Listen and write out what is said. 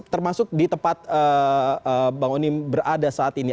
termasuk di tempat bang onim berada saat ini